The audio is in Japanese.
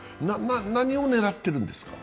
何を狙っているんですか？